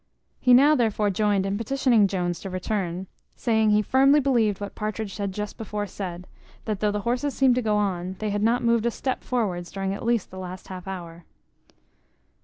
He now, therefore, joined in petitioning Jones to return; saying he firmly believed what Partridge had just before said, that though the horses seemed to go on, they had not moved a step forwards during at least the last half hour.